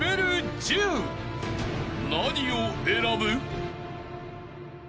［何を選ぶ？］